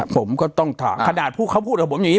ผมก็ต้องถามขนาดพวกเขาพูดกับผมอย่างนี้